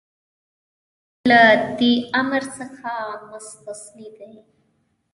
حسين احمد مدني له دې امر څخه مستثنی دی.